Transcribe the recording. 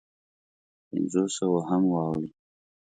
پنځو سوو هم واوړي.